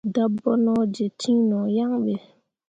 Dabonoje cin no yan be.